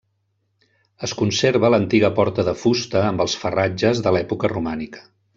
Es conserva l'antiga porta de fusta amb els farratges de l'època romànica.